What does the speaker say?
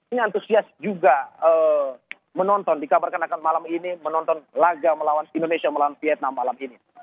ini antusias juga menonton dikabarkan akan malam ini menonton laga melawan indonesia melawan vietnam malam ini